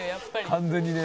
「完全にね」